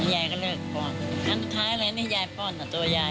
ยายก็เลิกปล่อยทั้งท้ายเลยยายปล่อยตัวยาย